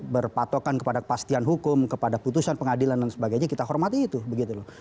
berpatokan kepada kepastian hukum kepada putusan pengadilan dan sebagainya kita hormati itu begitu loh